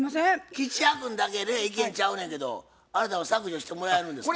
吉弥君だけね意見ちゃうねんけどあなたは削除してもらえるんですか？